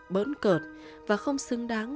bỡn cợt và không xứng đáng